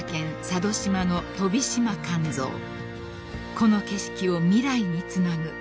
［この景色を未来につなぐ］